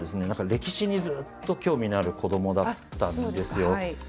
歴史にずっと興味のある子どもだったんですよ。